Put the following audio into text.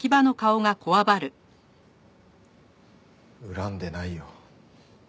恨んでないよ。